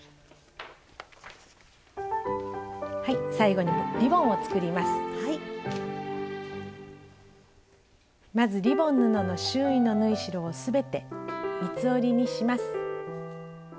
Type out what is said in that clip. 最後にまずリボン布の周囲の縫い代を全て三つ折りにします。